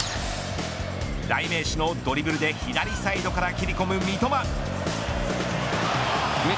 代名詞のドリブルで左サイドから切り込む三笘。